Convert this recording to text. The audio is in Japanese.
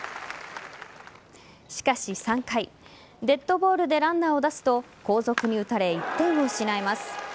しかし、３回デッドボールでランナーを出すと後続に打たれ１点を失います。